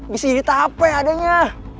bisa jadi tape adanya